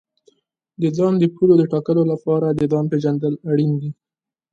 د ځان د پولو ټاکلو لپاره د ځان پېژندل اړین دي.